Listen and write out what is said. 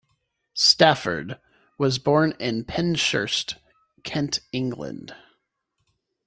Stafford was born in Penshurst, Kent, England.